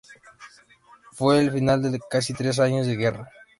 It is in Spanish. Fue el final de casi tres años de guerra.